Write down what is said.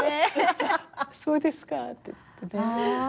そうですかって。